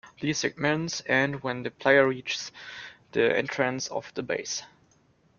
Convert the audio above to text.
These segments end when the player reaches the entrance of the base.